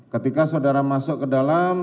ketika saudara masuk ke dalam